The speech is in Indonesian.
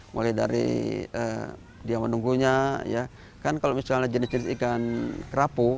mulai dari dia menunggunya kan kalau misalnya jenis jenis ikan kerapu